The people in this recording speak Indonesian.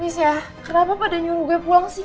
wis ya kenapa pada nyuruh gue pulang sih